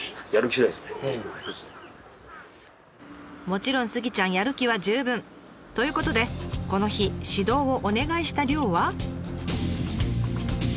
もちろんスギちゃんやる気は十分！ということでこの日指導をお願いした漁は。